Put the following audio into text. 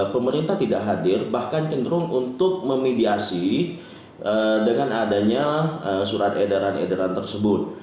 pemerintah tidak hadir bahkan cenderung untuk memediasi dengan adanya surat edaran edaran tersebut